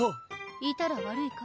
いたら悪いか？